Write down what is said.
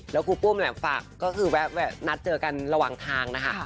แล้วครูปุ้มฝากก็คือแวะนัดเจอกันระหว่างทางนะคะ